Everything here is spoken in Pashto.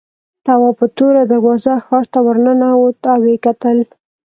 تواب په توره دروازه ښار ته ورننوت او وکتل.